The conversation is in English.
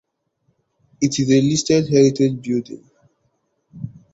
It is a listed heritage building.